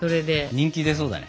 人気出そうだね。